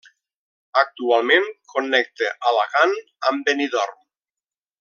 Actualment connecta Alacant amb Benidorm.